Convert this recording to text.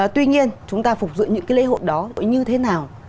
tuy nhiên chúng ta phục dựng những cái lễ hội đó như thế nào